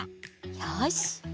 よし！